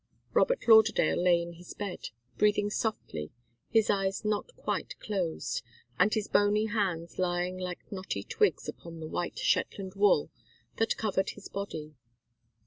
Robert Lauderdale lay in his bed, breathing softly, his eyes not quite closed, and his bony hands lying like knotty twigs upon the white Shetland wool that covered his body.